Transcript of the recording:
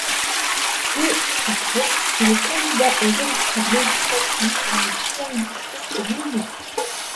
Deux après, il est candidat aux élections législatives dans le douzième district de l'Illinois.